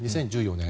２０１４年。